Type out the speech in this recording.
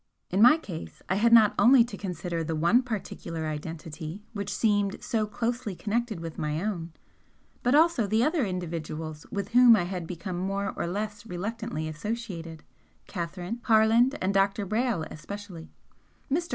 In my case I had not only to consider the one particular identity which seemed so closely connected with my own but also the other individuals with whom I had become more or less reluctantly associated, Catherine Harland and Dr. Brayle especially. Mr.